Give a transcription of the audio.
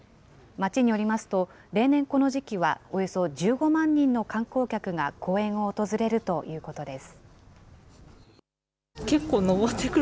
町によりますと、例年この時期はおよそ１５万人の観光客が公園を訪れるということです。